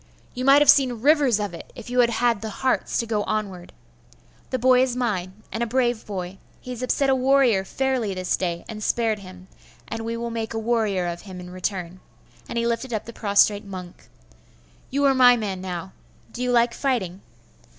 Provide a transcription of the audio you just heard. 'You might have seen rivers of it, if you had had the hearts to go onward. The boy is mine, and a brave boy. He has upset a warrior fairly this day, and spared him; and we will make a warrior of him in return.' And he lifted up the prostrate monk. 'You are my man now. Do you like fighting?